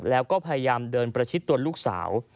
แล้วก็พยายามเดินประชิดตัวลูกสาว